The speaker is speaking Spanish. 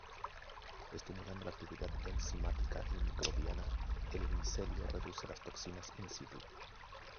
Estimulando la actividad enzimática y microbiana, el micelio reduce las toxinas in-situ.